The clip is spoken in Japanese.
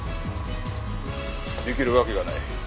出来るわけがない。